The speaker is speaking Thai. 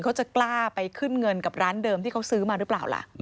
เขาจะกล้าไปขึ้นเงินกับร้านเดิมที่เขาซื้อมาหรือเปล่าล่ะ